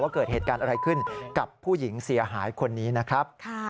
เกิดเหตุการณ์อะไรขึ้นกับผู้หญิงเสียหายคนนี้นะครับ